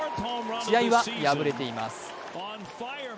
試合は敗れています。